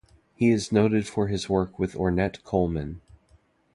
He is noted for his work with Ornette Coleman.